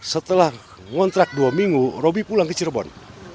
setelah mengontrak dua minggu robby pulang ke cirebon